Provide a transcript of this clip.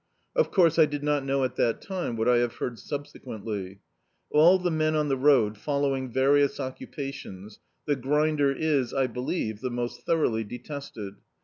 Of course, I did not know at that time what I have heard subsequently. Of all the men on the road, follow ing various occupations, the grinder is, I believe, the most thorou^ly detested.